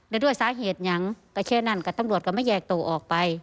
แล้วด้วยสาเหตุยังก็แค่นั้นกับตำรวจก็ไม่แยกตัวออกไป